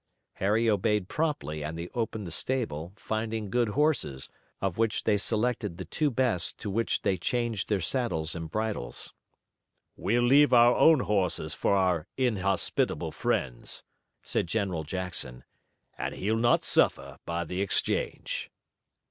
Harry obeyed promptly, and they opened the stable, finding good horses, of which they selected the two best to which they changed their saddles and bridles. "We'll leave our own horses for our inhospitable friends," said General Jackson, "and he'll not suffer by the exchange."